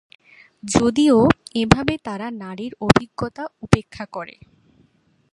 যদিও, এভাবে তারা নারীর অভিজ্ঞতা উপেক্ষা করে।